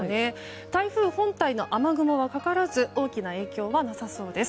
台風本体の雨雲がかからず大きな影響はなさそうです。